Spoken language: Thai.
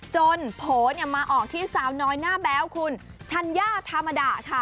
โผล่มาออกที่สาวน้อยหน้าแบ๊วคุณชัญญาธรรมดาค่ะ